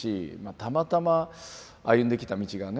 たまたま歩んできた道がね